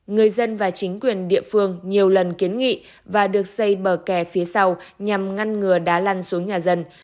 người dân và chính quyền địa phương nhiều lần kiến nghị và được xây bờ kè phía sau nhằm ngăn ngừa đá lăn xuống nhà dân